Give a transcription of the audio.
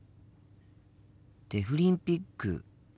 デフリンピック。